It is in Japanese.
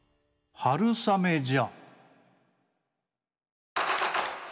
「春雨じゃ」。